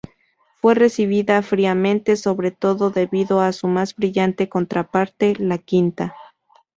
Fue recibida fríamente, sobre todo debido a su más brillante contraparte, la Quinta.